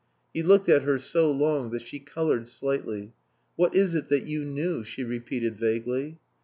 He looked at her so long that she coloured slightly. "What is it that you knew?" she repeated vaguely.